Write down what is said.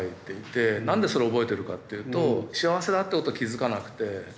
なんでそれを覚えてるかというと幸せだということ気付かなくて。